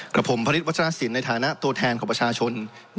กับผมพระฤทธวัชรสินในฐานะตัวแทนของประชาชน